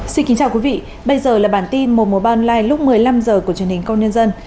xin kính chào quý vị bây giờ là bản tin mùa mùa ban like lúc một mươi năm h của truyền hình công nhân dân